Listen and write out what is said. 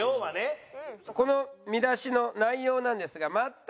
この見出しの内容なんですが。という内容。